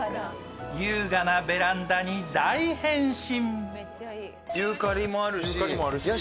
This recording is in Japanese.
優雅なベランダに大変身。